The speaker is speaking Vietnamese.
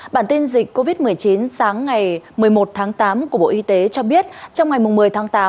bản tin dịch covid một mươi chín sáng ngày một mươi một tháng tám của bộ y tế cho biết trong ngày một mươi tháng tám